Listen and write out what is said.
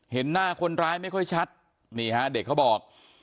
เห็นหน้าคนร้ายไม่ค่อยชัดนี่ฮะเด็กเขาบอก